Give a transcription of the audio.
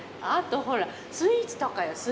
あとほらスイーツとかよ